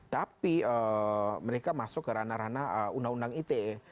tapi mereka masuk ke ranah ranah undang undang ite